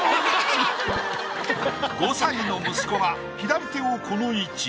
５歳の息子が左手をこの位置